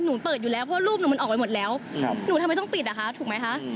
หนูเปิดอยู่แล้วเพราะรูปหนูมันออกไปหมดแล้วหนูทำไมต้องปิดนะคะถูกไหมคะ